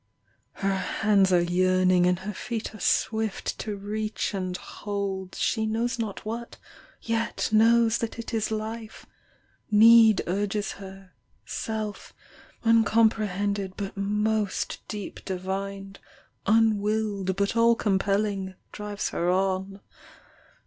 Her hands are yearning and her feet are swift To reach and hold 19 She knows not what, Yet knows that it is life; Need urges her, Self, uncomprehended but most deep divined, Unwilled but all compelling, drives her on.